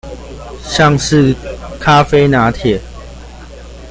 像是咖啡拿鐵